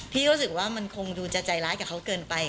รู้สึกว่ามันคงดูจะใจร้ายกับเขาเกินไป